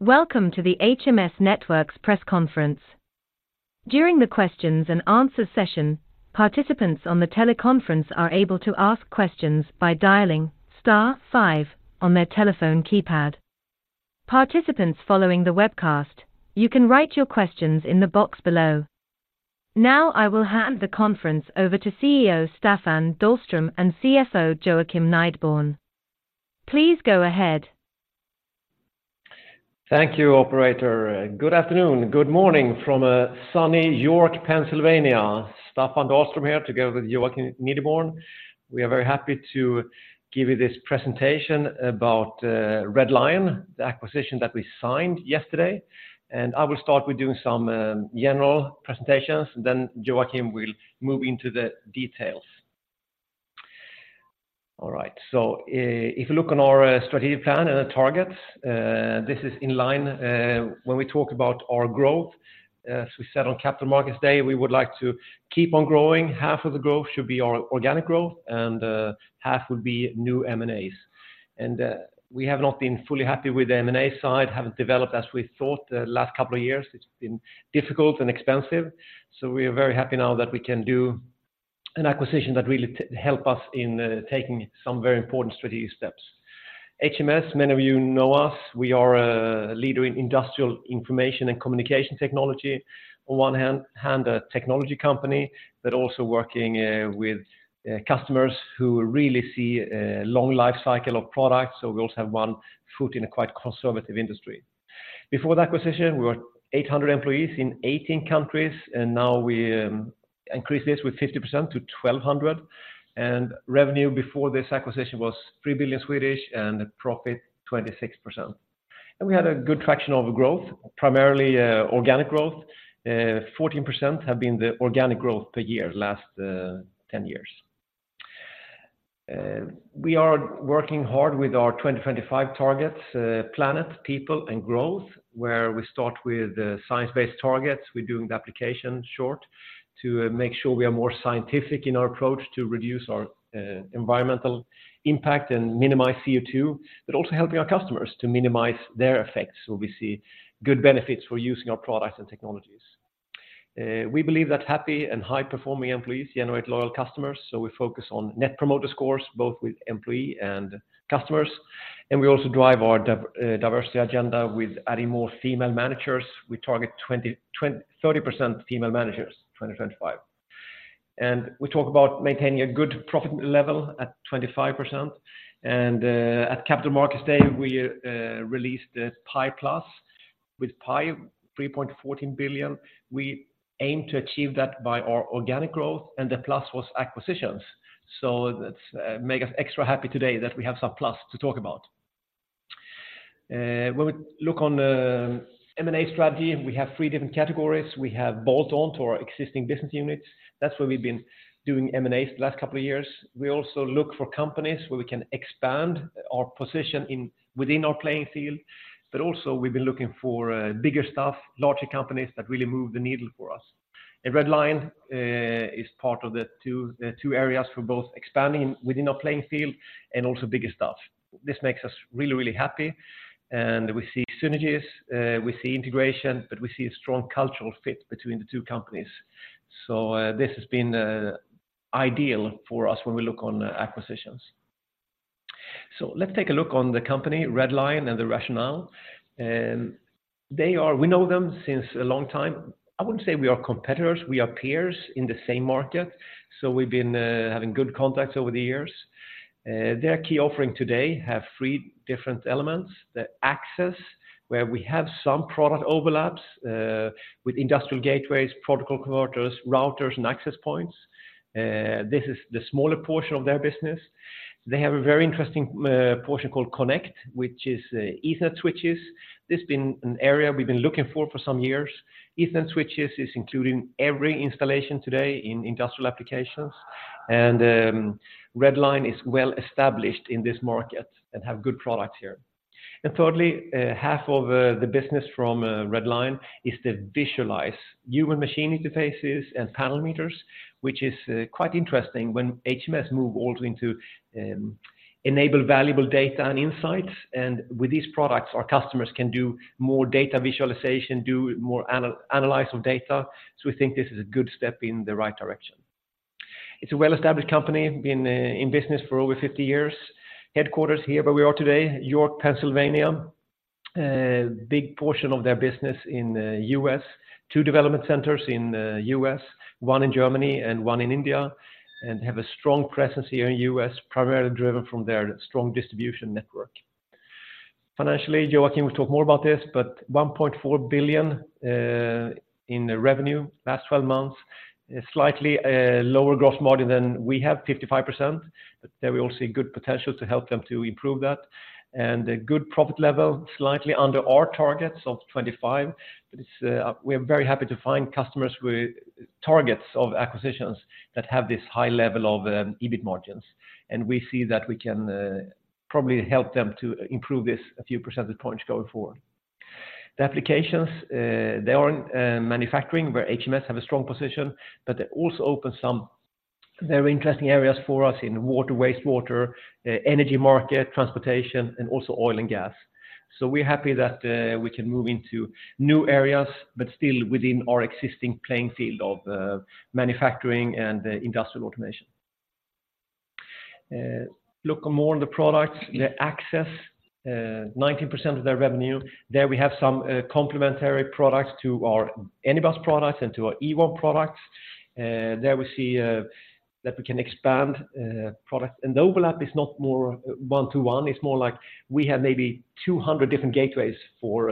Welcome to the HMS Networks press conference. During the questions and answer session, participants on the teleconference are able to ask questions by dialing star five on their telephone keypad. Participants following the webcast, you can write your questions in the box below. Now, I will hand the conference over to CEO Staffan Dahlström and CFO Joakim Nideborn. Please go ahead. Thank you, operator. Good afternoon. Good morning from a sunny York, Pennsylvania. Staffan Dahlström here, together with Joakim Nideborn. We are very happy to give you this presentation about Red Lion, the acquisition that we signed yesterday, and I will start with doing some general presentations, then Joakim will move into the details. All right. So if you look on our strategic plan and the targets, this is in line when we talk about our growth, as we said on Capital Markets Day, we would like to keep on growing. Half of the growth should be our organic growth and half would be new M&As. And we have not been fully happy with the M&A side, haven't developed as we thought. The last couple of years, it's been difficult and expensive, so we are very happy now that we can do an acquisition that really help us in taking some very important strategic steps. HMS, many of you know us. We are a leader in industrial information and communication technology. On one hand, a technology company, but also working with customers who really see a long life cycle of products. So we also have one foot in a quite conservative industry. Before the acquisition, we were 800 employees in 18 countries, and now we increase this with 50% to 1,200, and revenue before this acquisition was 3 billion and profit 26%. We had a good traction of growth, primarily organic growth. 14% have been the organic growth per year, last 10 years. We are working hard with our 2025 targets, planet, people, and growth, where we start with science-based targets. We're doing the application shortly to make sure we are more scientific in our approach to reduce our environmental impact and minimize CO2, but also helping our customers to minimize their effects, so we see good benefits for using our products and technologies. We believe that happy and high-performing employees generate loyal customers, so we focus on Net Promoter Scores, both with employee and customers. We also drive our diversity agenda with adding more female managers. We target 20-30% female managers, 2025. We talk about maintaining a good profit level at 25%. At Capital Markets Day, we released the Pi-Plus. With 3.14 billion, we aim to achieve that by our organic growth, and the plus was acquisitions. So that's make us extra happy today that we have some plus to talk about. When we look on the M&A strategy, we have three different categories. We have bolt-on to our existing business units. That's where we've been doing M&A the last couple of years. We also look for companies where we can expand our position in, within our playing field, but also we've been looking for bigger stuff, larger companies that really move the needle for us. And Red Lion is part of the two, the two areas for both expanding within our playing field and also bigger stuff. This makes us really, really happy, and we see synergies, we see integration, but we see a strong cultural fit between the two companies. So, this has been ideal for us when we look on acquisitions. So let's take a look on the company, Red Lion, and the rationale. We know them since a long time. I wouldn't say we are competitors. We are peers in the same market, so we've been having good contacts over the years. Their key offering today have three different elements. The Access, where we have some product overlaps with industrial gateways, protocol converters, routers, and access points. This is the smaller portion of their business. They have a very interesting portion called Connect, which is Ethernet switches. This's been an area we've been looking for for some years. Ethernet switches is included in every installation today in industrial applications, and Red Lion is well established in this market and have good products here. Thirdly, half of the business from Red Lion is to visualize human machine interfaces and panel meters, which is quite interesting when HMS move also into enable valuable data and insights, and with these products, our customers can do more data visualization, do more analyze of data. So we think this is a good step in the right direction. It's a well-established company, been in business for over 50 years. Headquarters here, where we are today, York, Pennsylvania. Big portion of their business in the U.S. Two development centers in the U.S., one in Germany, and one in India, and have a strong presence here in U.S., primarily driven from their strong distribution network. Financially, Joakim will talk more about this, but $1.4 billion in revenue last twelve months, slightly lower gross margin than we have, 55%, but there we all see good potential to help them to improve that. And a good profit level, slightly under our targets of 25%, but it's, we're very happy to find customers with targets of acquisitions that have this high level of EBIT margins, and we see that we can probably help them to improve this a few percentage points going forward. The applications, they are in manufacturing where HMS have a strong position, but they also open some very interesting areas for us in water, wastewater, energy market, transportation, and also oil and gas. So we're happy that we can move into new areas, but still within our existing playing field of manufacturing and industrial automation. Look more on the products, Access, 19% of their revenue. There we have some complementary products to our Anybus products and to our Ewon products. There we see that we can expand products, and the overlap is not more one-to-one. It's more like we have maybe 200 different gateways for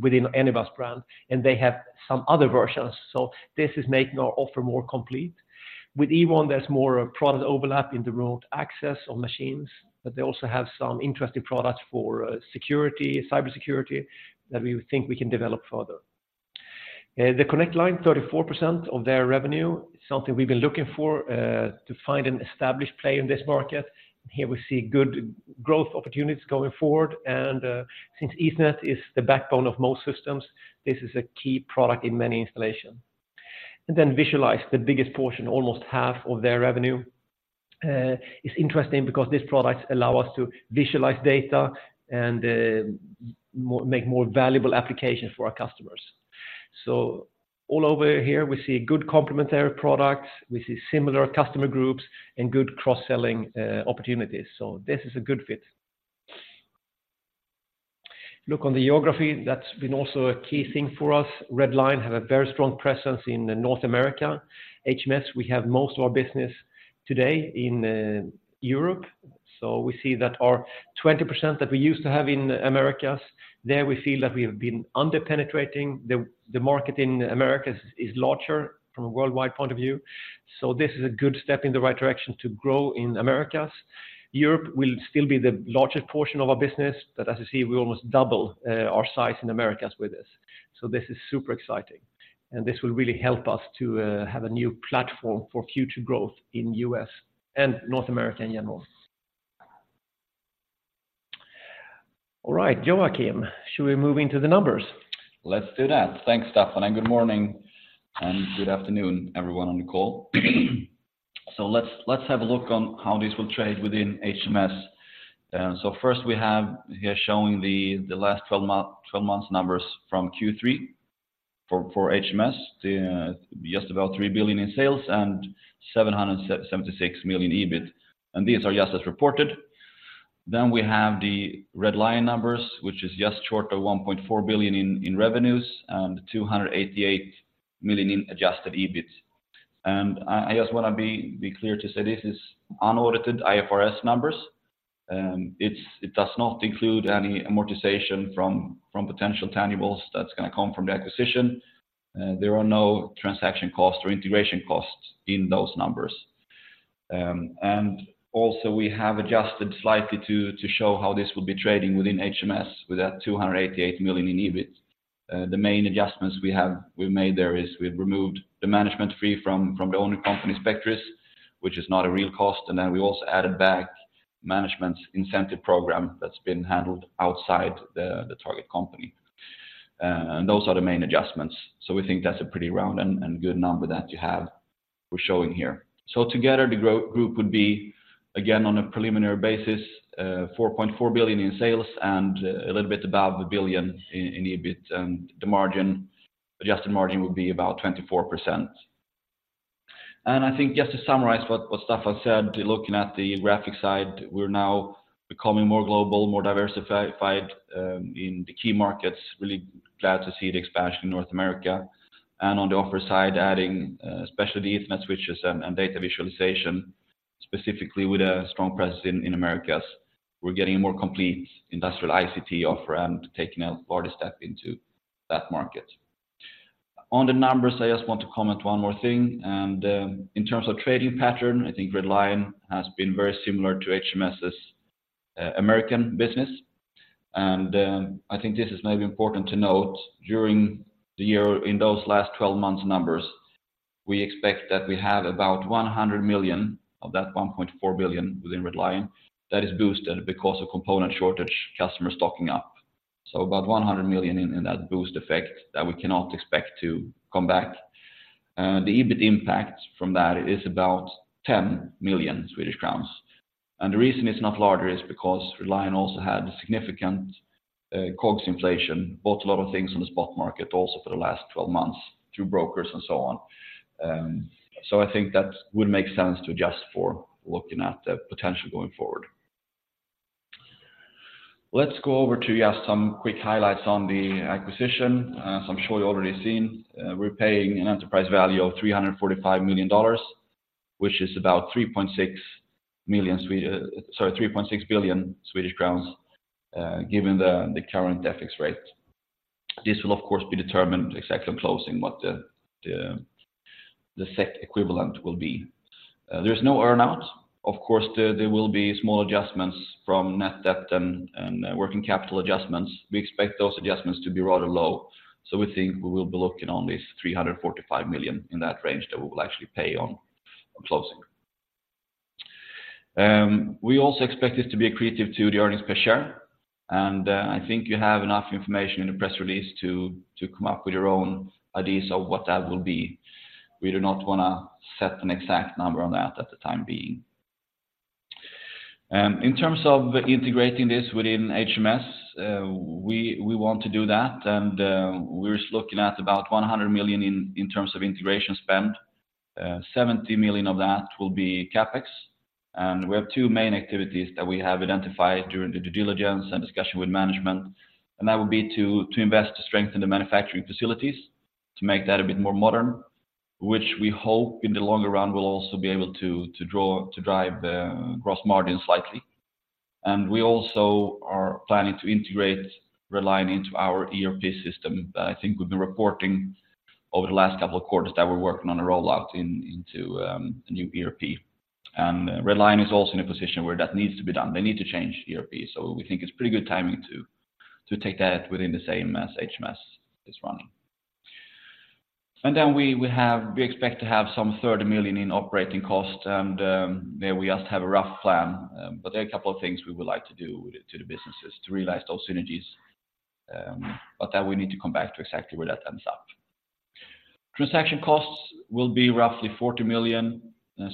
within Anybus brand, and they have some other versions. So this is making our offer more complete. With Ewon, there's more product overlap in the remote access on machines, but they also have some interesting products for security, cybersecurity, that we think we can develop further. The Connect line, 34% of their revenue, something we've been looking for, to find an established play in this market. Here we see good growth opportunities going forward, and, since Ethernet is the backbone of most systems, this is a key product in many installation. And then Visualize, the biggest portion, almost half of their revenue, is interesting because these products allow us to visualize data and, make more valuable applications for our customers. So all over here, we see good complementary products, we see similar customer groups and good cross-selling, opportunities. So this is a good fit. Look on the geography, that's been also a key thing for us. Red Lion have a very strong presence in the North America. HMS, we have most of our business today in Europe, so we see that our 20% that we used to have in Americas, there we feel that we have been under-penetrating. The market in Americas is larger from a worldwide point of view, so this is a good step in the right direction to grow in Americas. Europe will still be the largest portion of our business, but as you see, we almost double our size in Americas with this. So this is super exciting, and this will really help us to have a new platform for future growth in US and North America in general. All right, Joakim, should we move into the numbers? Let's do that. Thanks, Staffan, and good morning, and good afternoon, everyone on the call. So let's, let's have a look on how this will trade within HMS. So first we have here showing the last twelve months numbers from Q3 for HMS, just about 3 billion in sales and 776 million EBIT, and these are just as reported. Then we have the Red Lion numbers, which is just short of 1.4 billion in revenues and 288 million in adjusted EBIT. And I just want to be clear to say this is unaudited IFRS numbers, it does not include any amortization from potential intangibles that's going to come from the acquisition. There are no transaction costs or integration costs in those numbers. And also we have adjusted slightly to show how this will be trading within HMS with that 288 million in EBIT. The main adjustments we have, we've made there is we've removed the management fee from the owner company, Spectris, which is not a real cost, and then we also added back management's incentive program that's been handled outside the target company. And those are the main adjustments. So we think that's a pretty round and good number that you have, we're showing here. So together, the growth group would be, again, on a preliminary basis, 4.4 billion in sales and a little bit above 1 billion in EBIT, and the margin, adjusted margin would be about 24%. I think just to summarize what Staffan said, looking at the organic side, we're now becoming more global, more diversified, in the key markets. Really glad to see the expansion in North America, and on the offer side, adding, especially the Ethernet switches and data visualization, specifically with a strong presence in Americas. We're getting a more complete industrial ICT offer and taking a further step into that market. On the numbers, I just want to comment one more thing, and, in terms of trading pattern, I think Red Lion has been very similar to HMS's American business. And, I think this is maybe important to note, during the year, in those last twelve months numbers, we expect that we have about 100 million of that 1.4 billion within Red Lion. That is boosted because of component shortage, customer stocking up. So about 100 million in that boost effect that we cannot expect to come back. The EBIT impact from that is about 10 million Swedish crowns. And the reason it's not larger is because Red Lion also had a significant COGS inflation, bought a lot of things on the spot market also for the last 12 months, through brokers and so on. So I think that would make sense to adjust for looking at the potential going forward. Let's go over to just some quick highlights on the acquisition. As I'm sure you've already seen, we're paying an enterprise value of $345 million, which is about three point six million Swede- sorry, SEK 3.6 billion, given the current FX rate. This will, of course, be determined exactly on closing, what the SEK equivalent will be. There's no earn-out. Of course, there will be small adjustments from net debt and working capital adjustments. We expect those adjustments to be rather low, so we think we will be looking on this $345 million in that range that we will actually pay on closing. We also expect this to be accretive to the earnings per share, and I think you have enough information in the press release to come up with your own ideas of what that will be. We do not want to set an exact number on that at the time being. In terms of integrating this within HMS, we want to do that, and we're just looking at about 100 million in terms of integration spend. Seventy million of that will be CapEx, and we have two main activities that we have identified during the due diligence and discussion with management. That would be to invest to strengthen the manufacturing facilities, to make that a bit more modern, which we hope in the longer run will also be able to drive the gross margin slightly. We also are planning to integrate Red Lion into our ERP system. I think we've been reporting over the last couple of quarters that we're working on a rollout into a new ERP. Red Lion is also in a position where that needs to be done. They need to change ERP, so we think it's pretty good timing to take that within the same as HMS is running. And then we expect to have some 30 million in operating costs, and there we just have a rough plan, but there are a couple of things we would like to do to the businesses to realize those synergies, but that we need to come back to exactly where that ends up. Transaction costs will be roughly 40 million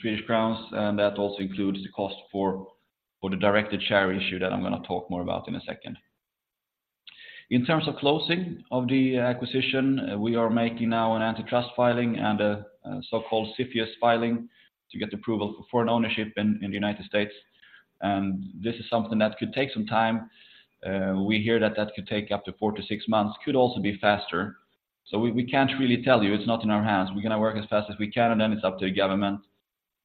Swedish crowns, and that also includes the cost for the directed share issue that I'm going to talk more about in a second. In terms of closing of the acquisition, we are making now an antitrust filing and a so-called CFIUS filing to get approval for an ownership in the United States. This is something that could take some time. We hear that that could take up to 4-6 months, could also be faster. So we, we can't really tell you, it's not in our hands. We're going to work as fast as we can, and then it's up to the government,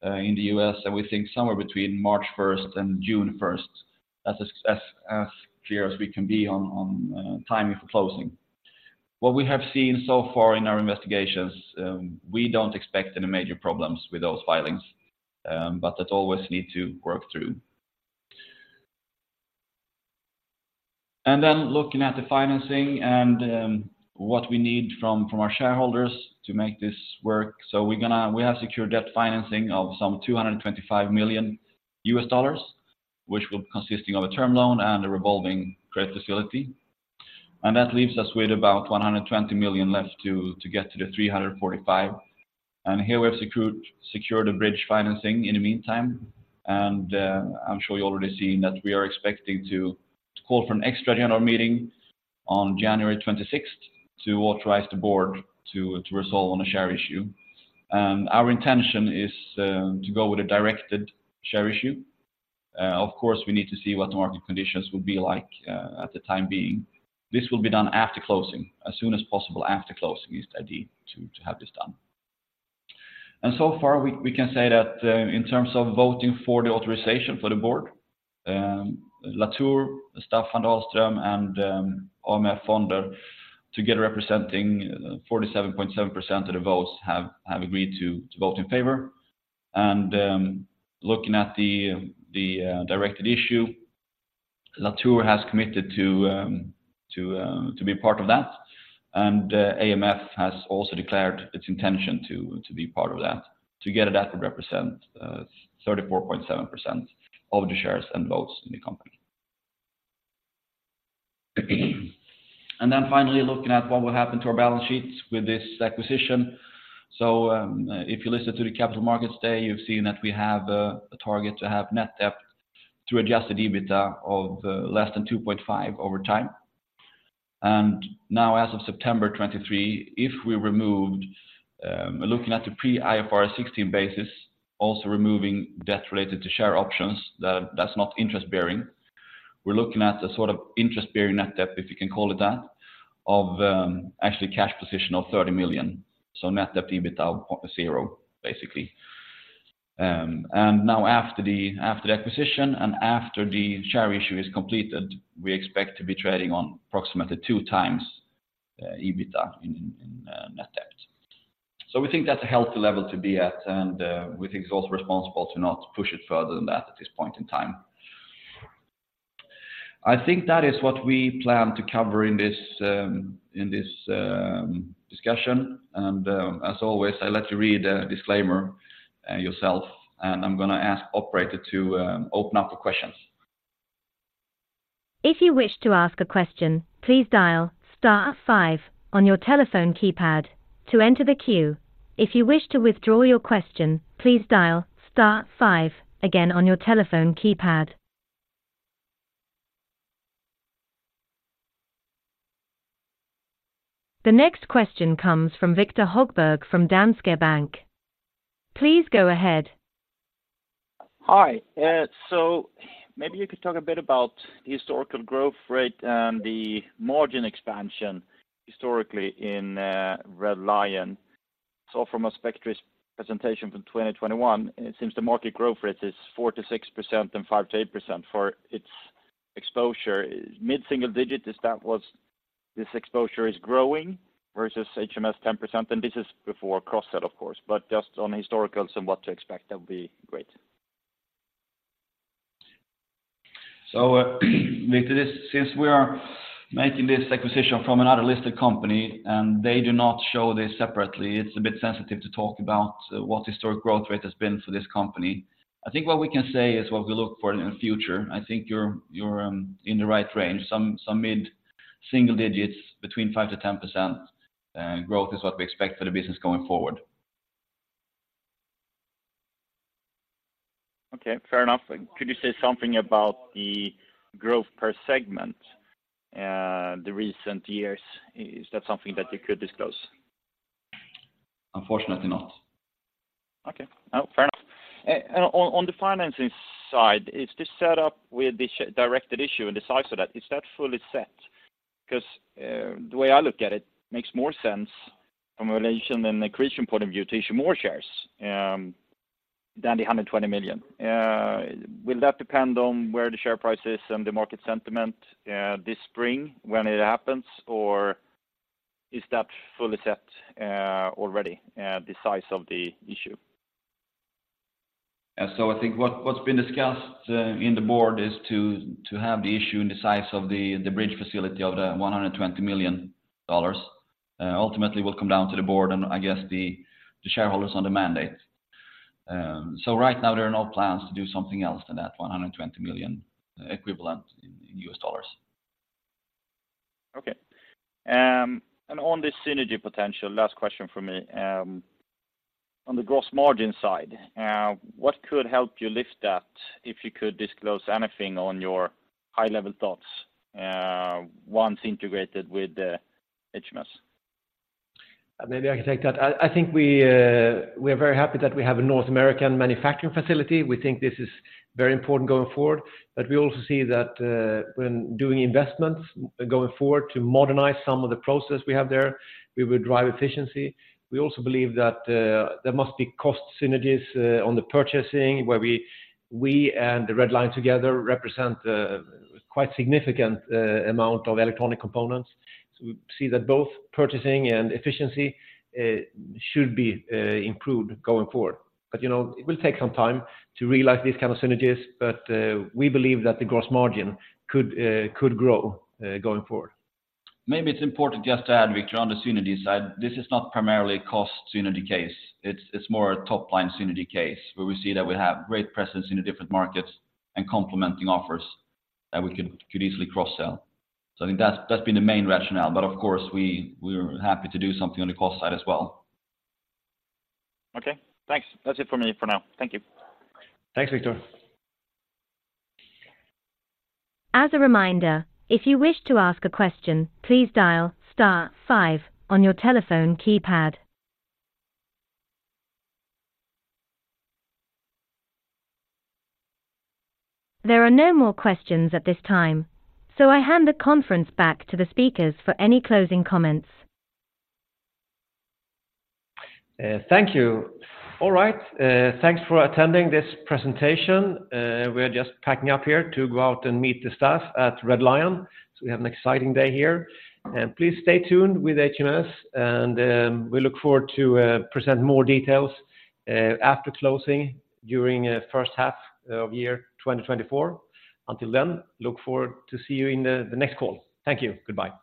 in the U.S., and we think somewhere between March first and June first, that's as clear as we can be on, on, timing for closing. What we have seen so far in our investigations, we don't expect any major problems with those filings, but that always need to work through. And then looking at the financing and, what we need from, from our shareholders to make this work. We have secured debt financing of some $225 million, which will consisting of a term loan and a revolving credit facility. That leaves us with about $120 million left to get to the $345 million. Here we have secured a bridge financing in the meantime, and I'm sure you've already seen that we are expecting to call for an extra general meeting on January 26th to authorize the board to resolve on a share issue. Our intention is to go with a directed share issue. Of course, we need to see what the market conditions will be like at the time being. This will be done after closing, as soon as possible after closing, is the idea to have this done. So far, we can say that in terms of voting for the authorization for the board, Latour, Staffan Dahlström, and AMF Fonder, together representing 47.7% of the votes, have agreed to vote in favor. Looking at the directed issue, Latour has committed to be part of that, and AMF has also declared its intention to be part of that. Together, that would represent 34.7% of the shares and votes in the company. Then finally, looking at what will happen to our balance sheets with this acquisition. So, if you listened to the capital markets day, you've seen that we have a target to have net debt to adjust the EBITDA of less than 2.5 over time. Now, as of September 2023, if we removed, looking at the pre-IFRS 16 basis, also removing debt related to share options, that's not interest-bearing. We're looking at a sort of interest-bearing net debt, if you can call it that, of, actually cash position of 30 million. So net debt to EBITDA of zero, basically. And now after the acquisition and after the share issue is completed, we expect to be trading on approximately 2x EBITDA in net debt. So we think that's a healthy level to be at, and we think it's also responsible to not push it further than that at this point in time. I think that is what we plan to cover in this discussion. As always, I let you read the disclaimer yourself, and I'm going to ask operator to open up for questions. If you wish to ask a question, please dial star five on your telephone keypad to enter the queue. If you wish to withdraw your question, please dial star five again on your telephone keypad. The next question comes from Viktor Högberg from Danske Bank. Please go ahead. Hi, so maybe you could talk a bit about the historical growth rate and the margin expansion historically in Red Lion. So from a Spectris presentation from 2021, it seems the market growth rate is 4%-6% and 5%-8% for its exposure. Mid-single digit, is that what's this exposure is growing versus HMS 10%, and this is before cross-sales, of course, but just on historical and what to expect, that would be great.... So, Viktor, this since we are making this acquisition from another listed company and they do not show this separately, it's a bit sensitive to talk about what historic growth rate has been for this company. I think what we can say is what we look for in the future. I think you're in the right range, some mid-single digits between 5%-10% growth is what we expect for the business going forward. Okay, fair enough. Could you say something about the growth per segment, the recent years? Is that something that you could disclose? Unfortunately, not. Okay. Oh, fair enough. And on the financing side, is this set up with the share-directed issue, and the size of that, is that fully set? Because the way I look at it makes more sense from a relationship and acquisition point of view to issue more shares than the 120 million. Will that depend on where the share price is and the market sentiment this spring when it happens, or is that fully set already, the size of the issue? So I think what's been discussed in the board is to have the issue and the size of the bridge facility of the $120 million ultimately will come down to the board, and I guess the shareholders on the mandate. So right now there are no plans to do something else to that $120 million equivalent in US dollars. Okay. On this synergy potential, last question for me. On the gross margin side, what could help you lift that? If you could disclose anything on your high-level thoughts, once integrated with the HMS. Maybe I can take that. I think we are very happy that we have a North American manufacturing facility. We think this is very important going forward, but we also see that when doing investments going forward to modernize some of the process we have there, we will drive efficiency. We also believe that there must be cost synergies on the purchasing, where we and the Red Lion together represent a quite significant amount of electronic components. So we see that both purchasing and efficiency should be improved going forward. But, you know, it will take some time to realize these kind of synergies, but we believe that the gross margin could grow going forward. Maybe it's important just to add, Viktor, on the synergy side, this is not primarily a cost synergy case. It's more a top-line synergy case, where we see that we have great presence in the different markets and complementing offers that we could easily cross-sell. So I think that's been the main rationale, but of course, we're happy to do something on the cost side as well. Okay, thanks. That's it for me for now. Thank you. Thanks, Viktor. As a reminder, if you wish to ask a question, please dial star five on your telephone keypad. There are no more questions at this time, so I hand the conference back to the speakers for any closing comments. Thank you. All right, thanks for attending this presentation. We are just packing up here to go out and meet the staff at Red Lion, so we have an exciting day here. Please stay tuned with HMS, and we look forward to present more details after closing during first half of year 2024. Until then, look forward to see you in the next call. Thank you. Goodbye!